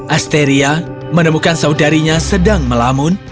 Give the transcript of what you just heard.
asteria menemukan saudarinya sedang melamun